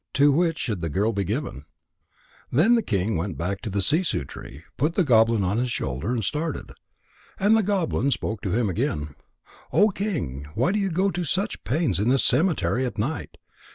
To which should the girl be given?_ Then the king went back to the sissoo tree, put the goblin on his shoulder, and started. And the goblin spoke to him again: "O King, why do you go to such pains in this cemetery at night?